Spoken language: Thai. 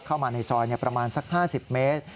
เข้ามาในซอยประมาณสัก๕๐เมตร